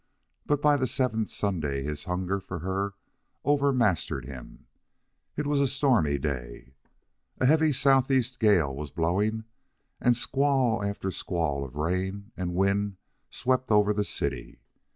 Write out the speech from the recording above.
But by the seventh Sunday his hunger for her overmastered him. It was a stormy day. A heavy southeast gale was blowing, and squall after squall of rain and wind swept over the city.